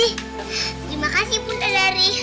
terima kasih bunda dari